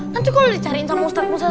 nanti kalau dicariin sama ustadz ustadz